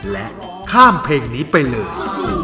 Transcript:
และข้ามเพลงนี้ไปเลย